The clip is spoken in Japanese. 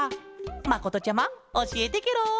まことちゃまおしえてケロ！